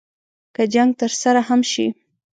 که جنګ ترسره هم شي.